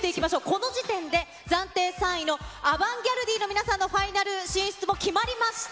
この時点で、暫定３位のアバンギャルディの皆さんのファイナル進出も決まりました。